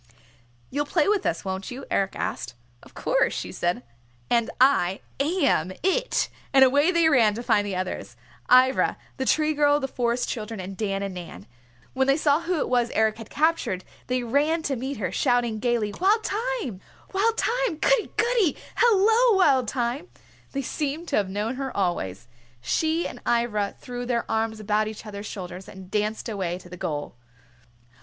"You'll play with us, won't you?" Eric asked. "Of course," she said, "and I am It!" And away they ran to find the others, Ivra, the Tree Girl, the Forest Children, and Dan and Nan. When those saw who it was Eric had captured they ran to meet her, shouting gayly, "Wild Thyme! Goody! Goody! Hello, Wild Thyme!" They seemed to have known her always. She and Ivra threw their arms about each other's shoulders and danced away to the goal.